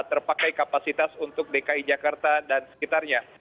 terpakai kapasitas untuk dki jakarta dan sekitarnya